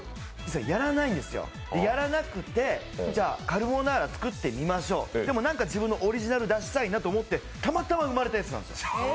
僕やらなくて、でカルボナーラ作ってみましょうでも何か自分のオリジナル出したいなと思ってたまたま生まれたやつなんですよ。